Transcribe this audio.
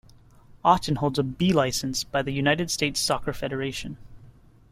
Oughton holds a "B" license by the United States Soccer Federation.